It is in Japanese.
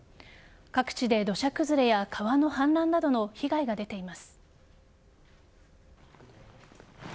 各地で土砂崩れや川の氾濫などの被害が出ています。